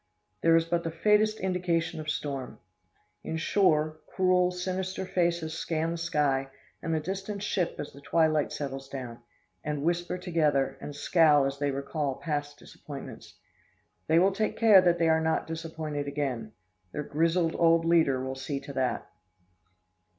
There is but the faintest indication of storm. On shore, cruel, sinister faces scan the sky and the distant ship as the twilight settles down, and whisper together, and scowl as they recall past disappointments. They will take care that they are not disappointed again. Their grizzled old leader will see to that.